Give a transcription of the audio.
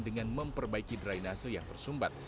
dengan memperbaiki drainase yang tersumbat